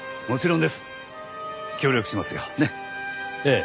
ええ。